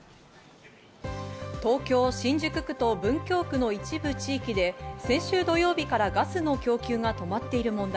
東京・新宿区と文京区の一部地域で先週土曜日からガスの供給が止まっている問題。